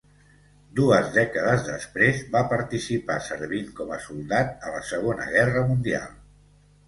Dues dècades després, va participar servint com a soldat a la Segona Guerra Mundial.